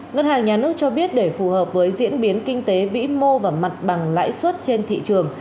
ngân hàng nhà nước cho biết để phù hợp với diễn biến kinh tế vĩ mô và mặt bằng lãi suất trên thị trường